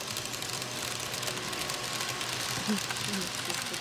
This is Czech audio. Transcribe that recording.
Současně bychom neměli dovolit, aby se politika soudržnosti roztříštila.